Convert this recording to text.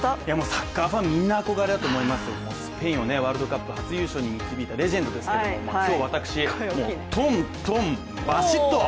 サッカーファン、みんな憧れだと思いますけれども、スペインをワールドカップ初優勝に導いたレジェンドですから今日、私、もうとんとん、バシッと！